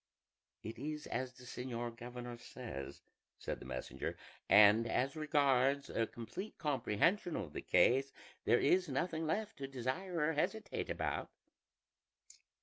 "It is as the señor governor says," said the messenger; "and as regards a complete comprehension of the case, there is nothing left to desire or hesitate about."